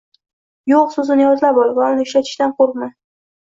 “Yo‘q” so‘zini yodlab ol va uni ishlatishdan qo‘rqma.